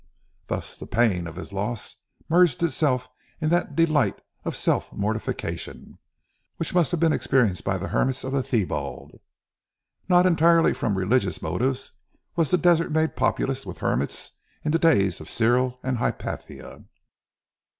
Thus the pain of his loss merged itself in that delight of self mortification, which must have been experienced by the hermits of the Thebiad. Not entirely from religious motives was the desert made populous with hermits in the days of Cyril and Hypatia.